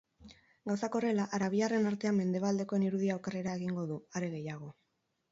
Gauzak horrela, arabiarren artean mendebaldekoen irudia okerrera egingo du, are gehiago.